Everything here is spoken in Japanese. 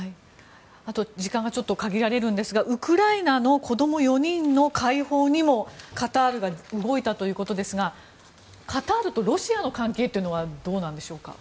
あと時間が限られるんですがウクライナの子ども４人の解放にもカタールが動いたということですがカタールとロシアの関係というのはどうなんでしょうか。